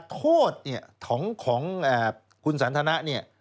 โทษของคุณสันทนา